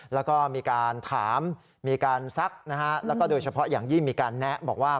แล้วก็มีการถามมีการซักนะฮะแล้วก็โดยเฉพาะอย่างยิ่งมีการแนะบอกว่า